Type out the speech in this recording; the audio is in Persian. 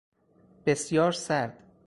بسیار سرد